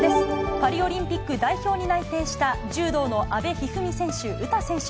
パリオリンピック代表に内定した柔道の阿部一二三選手、詩選手。